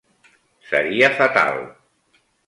Seria fatal.